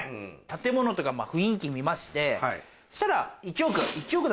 建物とか雰囲気見ましてそしたら。